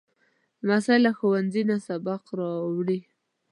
لمسی له ښوونځي نه سبق راوړي.